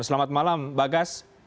selamat malam bagas